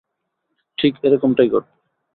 ঠিক এরকমটাই ঘটবে।